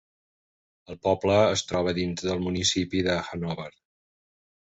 El poble es troba dins del municipi de Hannover.